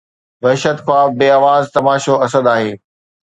وحشت، خواب، بي آواز تماشو اسد آهي